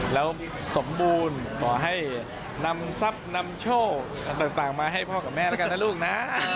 แล้วสมบูรณ์ขอให้นำทรัพย์นำโชคต่างมาให้พ่อกับแม่แล้วกันนะลูกนะ